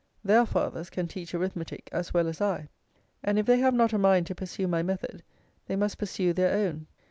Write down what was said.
Their fathers can teach arithmetic as well as I; and if they have not a mind to pursue my method, they must pursue their own.